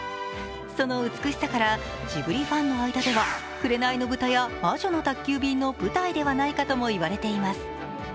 その美しさからジブリファンの間には「紅の豚」や「魔女の宅急便」の舞台ではないかと言われています。